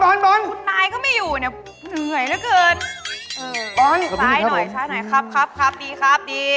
บอลครับผมช้ายหน่อยครับดีครับ